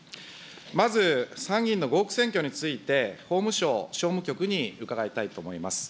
まず、参議院の合区選挙について、法務省訟務局に伺いたいと思います。